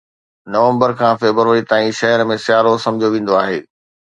نومبر کان فيبروري تائين شهر ۾ سيارو سمجهيو ويندو آهي